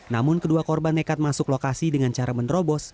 namun kedua korban nekat masuk lokasi dengan cara menerobos